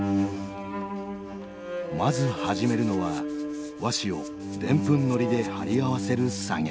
まず始めるのは和紙をでんぷんのりで貼り合わせる作業。